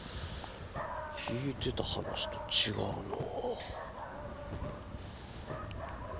聞いてた話と違うのう。